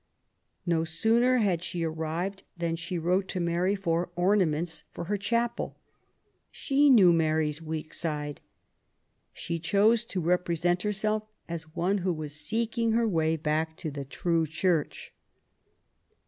No sooner had she arrived than she wrote to Mary for ornaments for her chapel. She knew Mary's weak side. She chose to represent herself as one who was seeking her way back to the true Church.